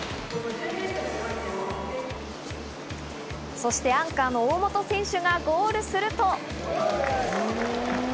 そしてアンカーの大本選手がゴールすると。